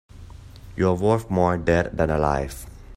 You're worth more dead than alive.